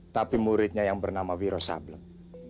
tapi muridnya yang bernama wiro sablem